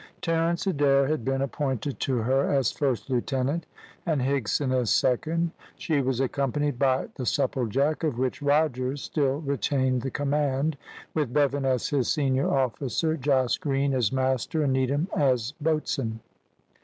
Terence Adair had been appointed to her as first lieutenant, and Higson as second; she was accompanied by the Supplejack, of which Rogers still retained the command, with Bevan as his senior officer, Jos Green as master, and Needham as boatswain.